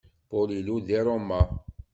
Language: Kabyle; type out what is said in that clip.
Paul ilul deg Roma.